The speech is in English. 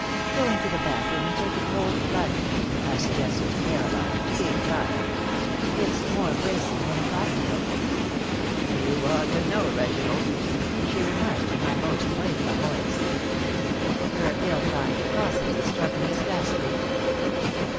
"Go into the bathroom and take a cold plunge," I suggested to Caroline, to gain time. "It's more bracing than a cocktail." "You ought to know, Reginald," she remarked, in my most playful voice. Her ill timed jocosity struck me as ghastly.